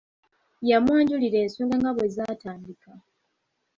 Yamwanjulira ensonga nga bwe zaatandika.